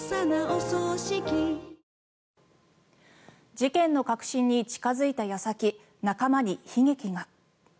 事件の核心に近付いた矢先仲間に悲劇が。